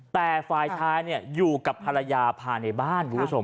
แต่ฝ่ายชายอยู่กับภรรยาภาในบ้าน